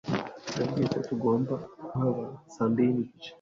Nabwiwe ko tugomba kuhaba saa mbiri n'igice.